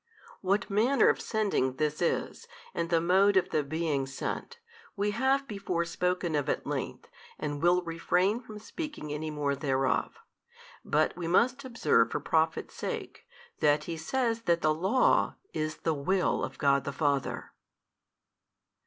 What manner of sending this is, and the mode of the being sent, we having before spoken of at length, will refrain from speaking any more thereof. But we must observe for profit's sake that He says that the Law is the Will of God the Father.